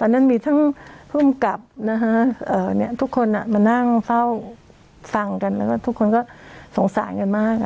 ตอนนั้นมีทั้งภูมิกับนะฮะทุกคนมานั่งเฝ้าฟังกันแล้วก็ทุกคนก็สงสารกันมาก